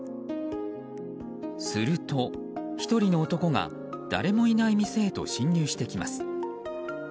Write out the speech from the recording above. すると、１人の男が誰もいない店へと侵入してきます。